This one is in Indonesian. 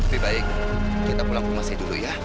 lebih baik kita pulang rumah saya dulu ya